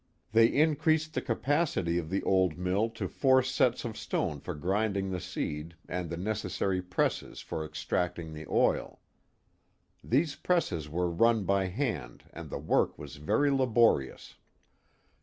They increased the capacity oT the old mill to four ^^^1 sets of stone (or grinding the ^eed and the necessary presses ^^^H for extracting the oil. These presses were run by hand and ^^^B the work was very laborious.